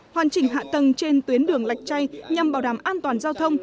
hoàn chỉnh hạ tầng trên tuyến đường lạch chay nhằm bảo đảm an toàn giao thông